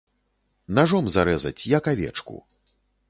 Нажом зарэзаць, як авечку.